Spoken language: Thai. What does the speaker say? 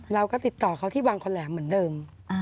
เราก็ติดต่อเขาที่วังคอแหลมเหมือนเดิม